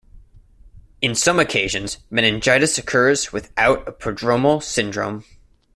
In some occasions, meningitis occurs without a prodromal syndrome.